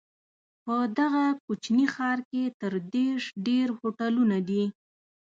په دغه کوچني ښار کې تر دېرش ډېر هوټلونه دي.